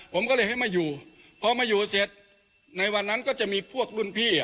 ผมก็เลยให้มาอยู่พอมาอยู่เสร็จในวันนั้นก็จะมีพวกรุ่นพี่